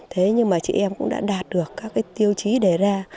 thế nhưng mà chị em cũng đã đạt được các cái tiêu chí đề ra